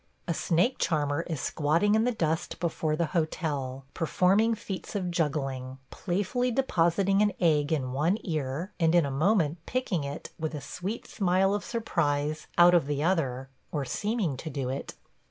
... A snake charmer is squatting in the dust before the hotel, performing feats of juggling: playfully depositing an egg in one ear, and in a moment picking it, with a sweet smile of surprise, out of the other – or seeming to do it.